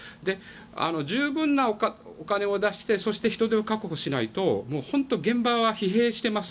十分なお金を出して人手を確保しないと本当に現場は疲弊しています。